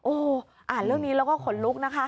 โอ้โหอ่านเรื่องนี้แล้วก็ขนลุกนะคะ